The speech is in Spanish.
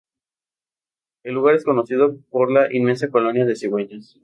El lugar es conocido por la inmensa colonia de cigüeñas.